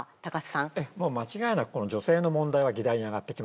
もう間違いなく女性の問題は議題に上がってきますね。